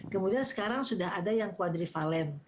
kemudian sekarang sudah ada yang kuadrivalen